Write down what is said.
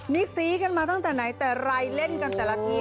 นี่ซี้กันมาตั้งแต่ไหนแต่ไรเล่นกันแต่ละที